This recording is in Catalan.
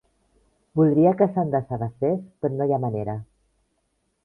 Voldria que se'n desavesés, però no hi ha manera.